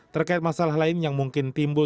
terkait masalah lain yang mungkin timbul